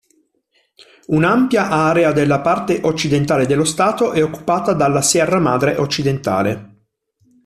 Un'ampia area della parte occidentale dello Stato è occupata dalla Sierra Madre Occidentale.